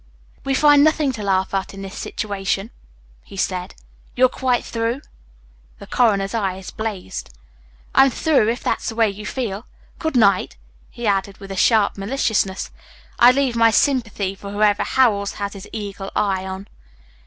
"We find nothing to laugh at in this situation," he said. "You're quite through?" The coroner's eyes blazed. "I'm through, if that's the way you feel. Goodnight." He added with a sharp maliciousness: "I leave my sympathy for whoever Howells has his eagle eye on."